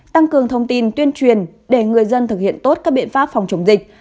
tăng cường thông tin tuyên truyền để người dân thực hiện tốt các biện pháp phòng chống dịch